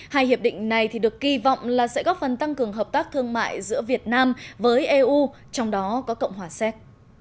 hai hiệp định này được kỳ vọng là sẽ góp phần tăng cường hợp tác thương mại giữa việt nam với eu trong đó có cộng hòa séc